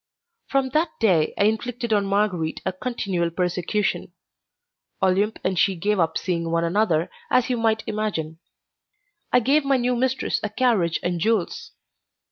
From that day I inflicted on Marguerite a continual persecution. Olympe and she gave up seeing one another, as you might imagine. I gave my new mistress a carriage and jewels.